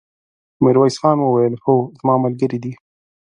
ميرويس خان وويل: هو، زما ملګری دی!